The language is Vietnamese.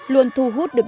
luôn thu hút được đồng ý